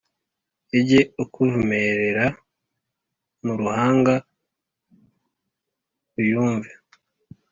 Ijye ikuvumerera mu ruhanga uyumve